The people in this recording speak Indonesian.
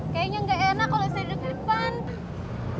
kayanya gak enak kalau saya duduk di depan